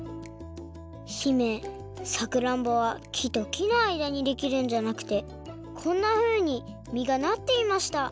姫さくらんぼはきときのあいだにできるんじゃなくてこんなふうにみがなっていました